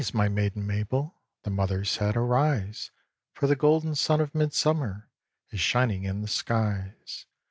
my maiden, Mabel," The mother said: "arise! For the golden sun of Midsummer Is shining in the skies.